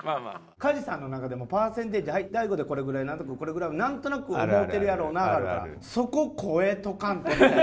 加地さんの中でもパーセンテージはい大悟でこれぐらいナントカでこれぐらいなんとなく思うてるやろうながあるからそこ超えとかんとみたいな。